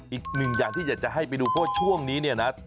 อีกหนึ่งอย่างที่อยากจะให้ไปดูเพราะช่วงนี้เนี่ยนะ